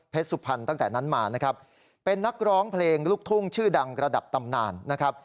สุพรรณตั้งแต่นั้นมานะครับเป็นนักร้องเพลงลูกทุ่งชื่อดังระดับตำนานนะครับ